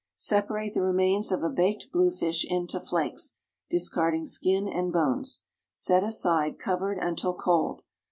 = Separate the remnants of a baked bluefish into flakes, discarding skin and bones. Set aside, covered, until cold.